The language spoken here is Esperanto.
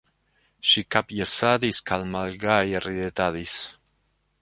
Ŝi kapjesadis kaj malgaje ridetadis.